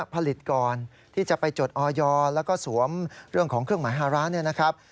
ผลิตก่อนที่จะไปจดออยแล้วก็สวมเรื่องของเครื่องหมายฮาร้านเนี่ยนะครับ